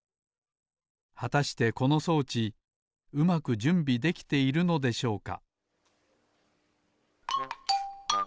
はたしてこの装置うまくじゅんびできているのでしょうか？